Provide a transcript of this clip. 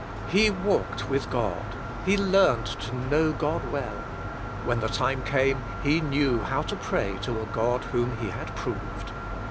He walked with God, he learned to know God well ; when the time came, he knew how to pray to a God whom he had proved.